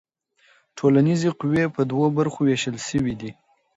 ټولنیزې قوې په دوو برخو ویشل سوي دي.